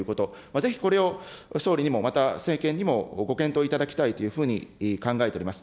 ぜひこれを、総理にも、また政権にも、ご検討いただきたいというふうに考えております。